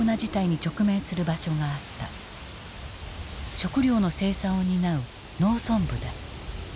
食料の生産を担う農村部だ。